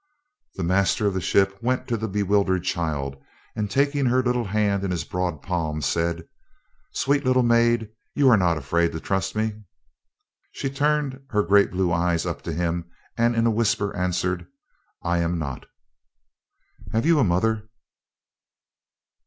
The master of the ship went to the bewildered child and, taking her little hand in his broad palm, said: "Sweet little maid, you are not afraid to trust me?" She turned her great blue eyes up to him and, in a whisper, answered: "I am not." "Have you a mother?"